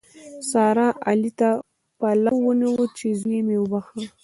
سارا؛ علي ته پلو ونیو چې زوی مې وبښه.